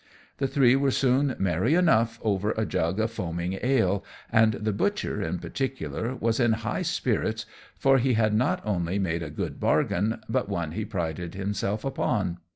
The three were soon merry enough over a jug of foaming ale; and the butcher, in particular, was in high spirits, for he had not only made a good bargain, but one he prided himself upon.